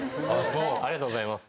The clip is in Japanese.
ありがとうございます。